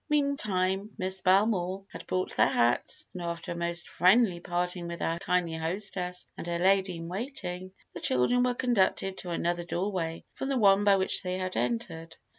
Meantime, Miss Belmore had brought their hats, and after a most friendly parting with their kindly hostess and her lady in waiting, the children were conducted to another doorway from the one by which they had entered.